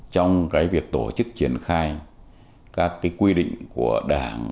trong việc tổ chức triển khai các quy định của đảng